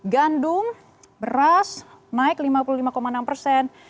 gandum beras naik lima puluh lima enam persen